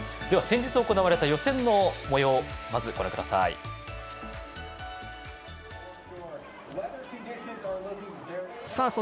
では、先日行われた予選のもようです。